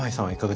はい。